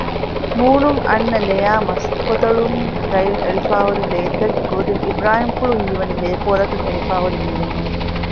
މޫނުން އަންނަ ލެއާއި މަސްކޮތަޅުން ގަޔަށް އެޅިފައިހުރި ލޭތައް އެކުވެގެން އިބުރާހިމްފުޅު ހީވަނީ ލޭކޯރަކަށް އެރިފައިހުރި މީހެއް ހެން